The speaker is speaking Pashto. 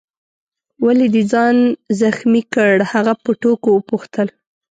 ولي دي ځان زخمي کړ؟ هغه په ټوکو وپوښتل.